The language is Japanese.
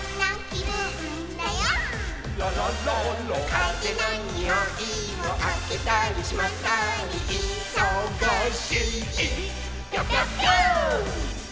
「かぜのにおいをあけたりしまったりいそがしい」「ピョンピョンピョーン！」